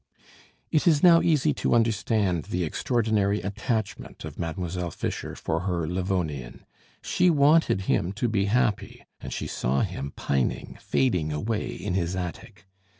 It is now easy to understand the extraordinary attachment of Mademoiselle Fischer for her Livonian; she wanted him to be happy, and she saw him pining, fading away in his attic.